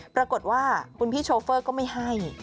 ปรากฏว่าคุณพี่โชเฟอร์ก็ไม่ให้